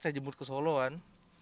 saya jemur ke solo kan